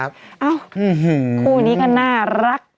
เอ้าคู่นี้ก็น่ารัก